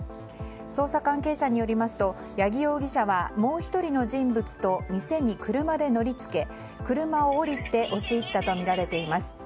捜査関係者によりますと八木容疑者はもう１人の人物と店に車で乗り付け車を降りて押し入ったとみられています。